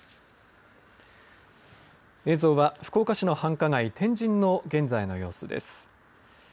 映像は福岡市の繁華街、天神の現在の様子です。